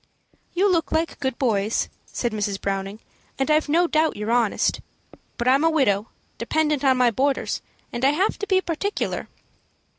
"You look like good boys," said Mrs. Browning, "and I've no doubt you're honest; but I'm a widow, dependent on my boarders, and I have to be particular.